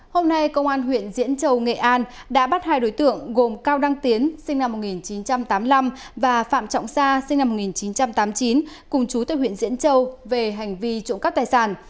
hôm nay công an huyện diễn châu nghệ an đã bắt hai đối tượng gồm cao đăng tiến sinh năm một nghìn chín trăm tám mươi năm và phạm trọng sa sinh năm một nghìn chín trăm tám mươi chín cùng chú tại huyện diễn châu về hành vi trộm cắp tài sản